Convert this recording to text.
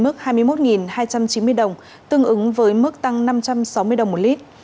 mức hai mươi một hai trăm chín mươi đồng tương ứng với mức tăng năm trăm sáu mươi đồng một lít